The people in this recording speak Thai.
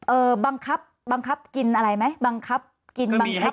เออบังคับกินอะไรไหมบังคับกินบังคับอะไรไหม